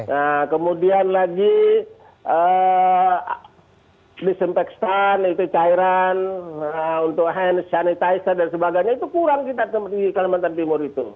nah kemudian lagi disinfektan itu cairan untuk hand sanitizer dan sebagainya itu kurang kita di kalimantan timur itu